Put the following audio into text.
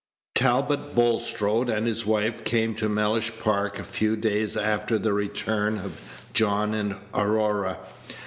Talbot Bulstrode and his wife came to Mellish Park a few days after the return of John and Aurora.